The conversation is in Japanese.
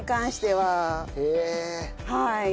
はい。